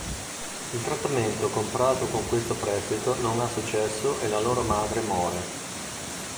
Il trattamento comprato con questo prestito non ha successo e la loro madre muore.